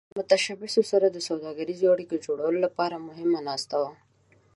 د متشبثینو سره د سوداګریزو اړیکو د جوړولو لپاره مهمه ناسته وه.